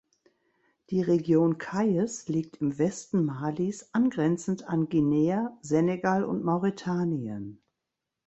Die Region Kayes liegt im Westen Malis, angrenzend an Guinea, Senegal und Mauretanien.